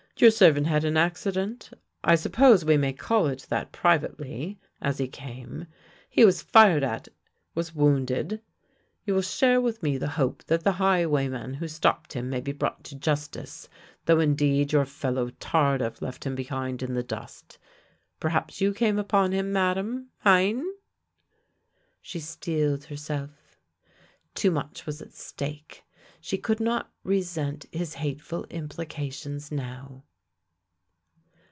" Your servant had an accident — I suppose we may call it that privately — as he came. He was fired at, was wounded. You will share with me the hope that the highwayman who stopped him may be brought to justice, though THE LANE THAT HAD NO TURNING 6i indeed your fellow Tardif left him behind in the dust. Perhaps you came upon him, Madame — hci)if " She steeled herself. Too much was at stake; she could not resent his hateful implications now.